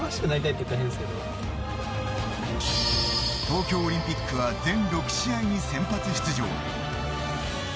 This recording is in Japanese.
東京オリンピックは全６試合に先発出場。